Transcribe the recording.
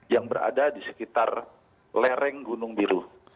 yang berada di sekitar lereng gunung biru